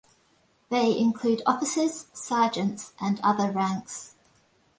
They include officers, sergeants and other ranks.